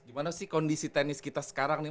gimana sih kondisi tenis kita sekarang nih